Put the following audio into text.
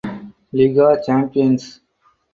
Liga champions.